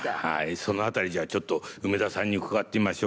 その辺りじゃあちょっと梅田さんに伺ってみましょうか。